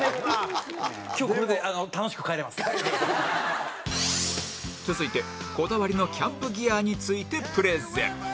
今日これで続いてこだわりのキャンプギアについてプレゼン